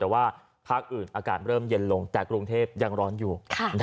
แต่ว่าภาคอื่นอากาศเริ่มเย็นลงแต่กรุงเทพยังร้อนอยู่